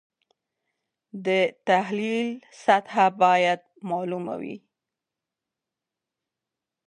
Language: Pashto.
د تحلیل سطحه باید معلومه وي.